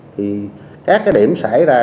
thì các cái điểm xảy ra